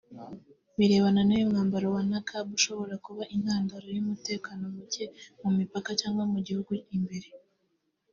birebana n’uyu mwambaro wa Niqab ushobora kuba intandaro y’umutekano muke ku mipaka cyangwa mu gihugu imbere